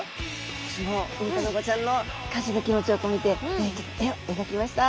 私もウミタナゴちゃんの感謝の気持ちを込めて絵を描きました！